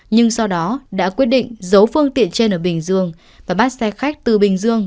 nhưng sau đó đã quyết định giấu phương tiện trên ở bình dương và bắt xe khách từ bình dương